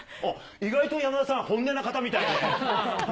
意外と山田さん、本音な方みたいね。